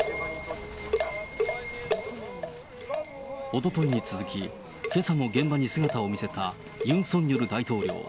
おとといに続き、けさも現場に姿を見せたユン・ソンニョル大統領。